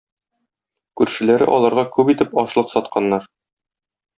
Күршеләре аларга күп итеп ашлык сатканнар.